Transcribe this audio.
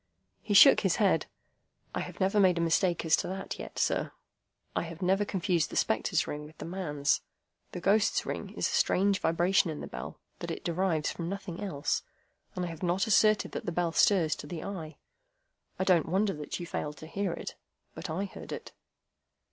He shook his head. "I have never made a mistake as to that yet, sir. I have never confused the spectre's ring with the man's. The ghost's ring is a strange vibration in the bell that it derives from nothing else, and I have not asserted that the bell stirs to the eye. I don't wonder that you failed to hear it. But I heard it."